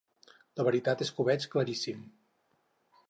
La veritat és que ho veig claríssim.